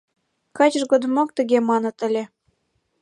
Качыж годымак тыге маныт ыле.